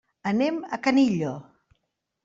Anem a Canillo.